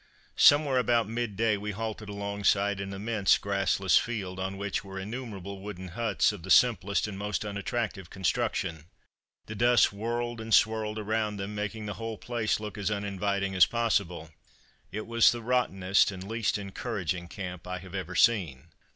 Somewhere about midday we halted alongside an immense grassless field, on which were innumerable wooden huts of the simplest and most unattractive construction. The dust whirled and swirled around them, making the whole place look as uninviting as possible. It was the rottenest and least encouraging camp I have ever seen.